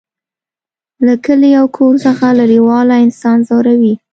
له کلي او کور څخه لرېوالی انسان ځوروي